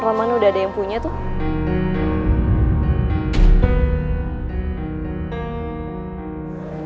mama udah ada yang punya tuh